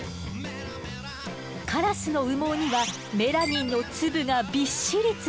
カラスの羽毛にはメラニンの粒がビッシリ詰まっているわ。